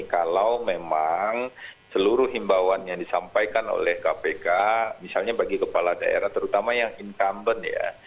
kalau memang seluruh himbauan yang disampaikan oleh kpk misalnya bagi kepala daerah terutama yang incumbent ya